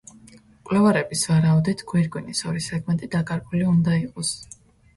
მკვლევარების ვარაუდით გვირგვინის ორი სეგმენტი დაკარგული უნდა იყოს.